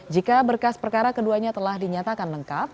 jika berkas perkara keduanya telah dinyatakan lengkap